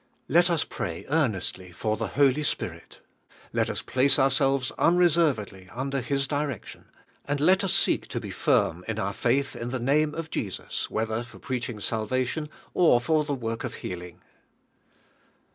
Let ns pray earnestly for the Holy Spirit, let us place ourselves nmre 3v Drvnix heajliwo. servedly under His direction, and let us seek to be firm in our faith in the name of Jesus, whether for preaching salvation or for the work of healing.